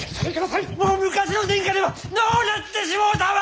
もう昔の殿下ではのうなってしもうたわ！